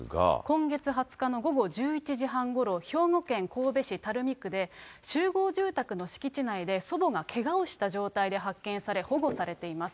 今月２０日の午後１１時半ごろ、兵庫県神戸市垂水区で、集合住宅の敷地内で祖母がけがをした状態で発見され、保護されています。